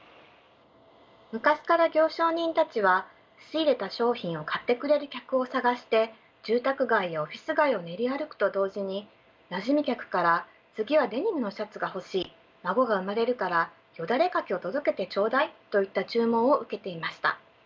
昔から行商人たちは仕入れた商品を買ってくれる客を探して住宅街やオフィス街を練り歩くと同時になじみ客から「次はデニムのシャツが欲しい」「孫が生まれるからよだれ掛けを届けてちょうだい」といった注文を受けていました。